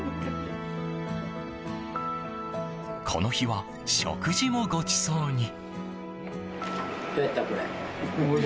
この日は、食事もごちそうに。